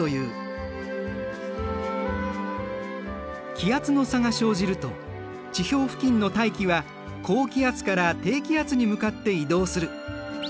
気圧の差が生じると地表付近の大気は高気圧から低気圧に向かって移動する。